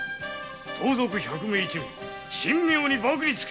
盗賊百目一味神妙に縛につけ！